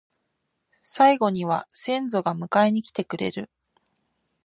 最期には先祖が迎えに来てくれる